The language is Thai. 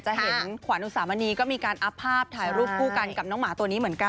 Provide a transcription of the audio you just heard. จะเห็นขวานอุสามณีก็มีการอัพภาพถ่ายรูปคู่กันกับน้องหมาตัวนี้เหมือนกัน